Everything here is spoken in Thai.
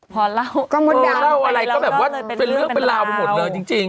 พอเล่าก็หมดลาวเออเล่าอะไรก็แบบว่าเป็นเลือกเป็นลาวหมดเลยจริงจริง